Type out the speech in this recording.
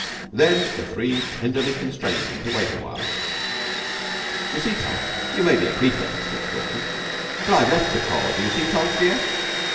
Then the three tenderly constrained him to wait a while. "You see, Tulke, you may be a prefect," said Stalky, "but I've left the Coll. Do you see, Tulke, dear?"